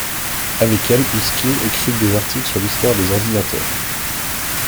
Avec elle, Huskey écrit des articles sur l'histoire des ordinateurs.